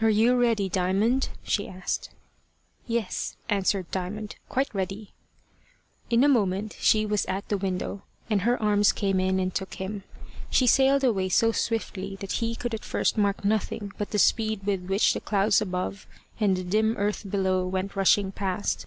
"Are you ready, Diamond?" she asked. "Yes," answered Diamond, "quite ready." In a moment she was at the window, and her arms came in and took him. She sailed away so swiftly that he could at first mark nothing but the speed with which the clouds above and the dim earth below went rushing past.